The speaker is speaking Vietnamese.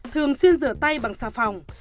thường xuyên rửa tay bằng xà phòng